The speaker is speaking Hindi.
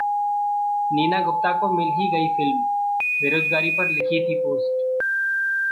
नीना गुप्ता को मिल ही गई फिल्म, बेरोजगारी पर लिखी थी पोस्ट